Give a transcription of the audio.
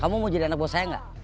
kamu mau jadi anak buah saya gak